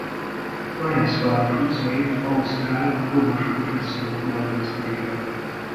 Lyons város utcáit ausztrál orvosprofesszorokról nevezték el.